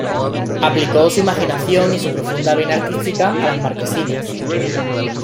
Aplicó su imaginación y su profunda vena artística a las marquesinas.